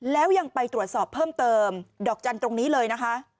แล้วยังไปตรวจสอบเพิ่มเติมดอกจันทร์ตรงนี้เลยนะคะ